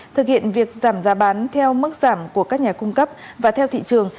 thực hiện việc giảm giá bán theo mức giảm của các nhà cung cấp và theo thị trường